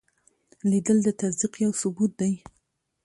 لیدل د تصدیق یو ثبوت دی